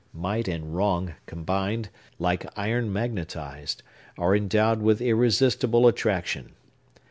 Might and wrong combined, like iron magnetized, are endowed with irresistible attraction.